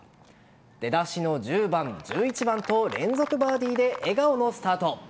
出だしの１０番、１１番と連続バーディーで笑顔のスタート。